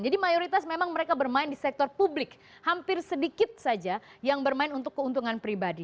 jadi mayoritas memang mereka bermain di sektor publik hampir sedikit saja yang bermain untuk keuntungan pribadi